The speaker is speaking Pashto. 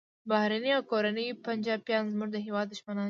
بهرني او کورني پنجابیان زموږ د هیواد دښمنان دي